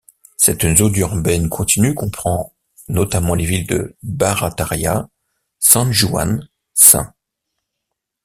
Cette zone urbaine continue comprend notamment les villes de Barataria, San Juan, St.